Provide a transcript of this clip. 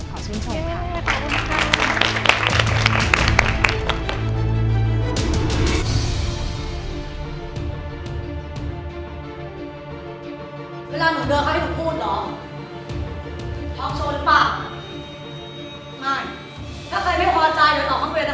ขอชิ้นโชว์ค่ะ